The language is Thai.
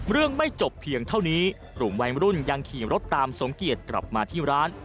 ไม่จบเพียงเท่านี้กลุ่มวัยรุ่นยังขี่รถตามสมเกียจกลับมาที่ร้าน